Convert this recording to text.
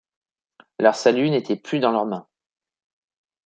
Leur salut n’était plus dans leurs mains.